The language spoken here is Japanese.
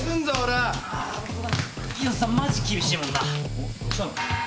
おっどうしたの？